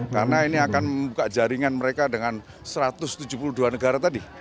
karena ini akan membuka jaringan mereka dengan satu ratus tujuh puluh dua negara tadi